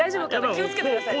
気を付けてくださいね。